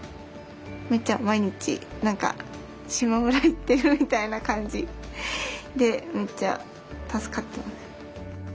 めっちゃ毎日何かしまむら行ってるみたいな感じでめっちゃ助かってます。